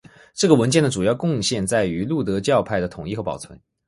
这个文件的主要贡献革在于路德教派的统一和保存。